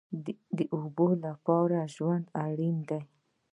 د اوبو لپاره ژوند اړین دی